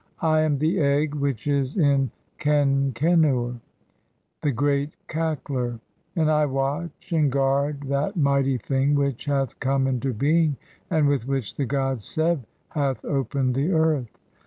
I am the Egg (3) which is in Kenkcn "ur (/'. e., the Great Cackler), and I watch and guard that mighty "thing which hath come into being and with which the god Seb "hath opened the earth.